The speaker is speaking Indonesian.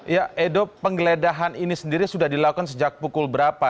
ya edo penggeledahan ini sendiri sudah dilakukan sejak pukul berapa